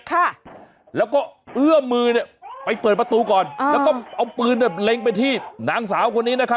ค่ะแล้วก็เอื้อมมือเนี่ยไปเปิดประตูก่อนอ่าแล้วก็เอาปืนเนี่ยเล็งไปที่นางสาวคนนี้นะครับ